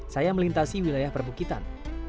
saya melintasi wilayah perbukitan